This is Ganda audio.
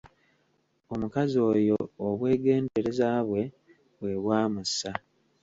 Omukazi oyo obwegendereza bwe, bwe bwamussa.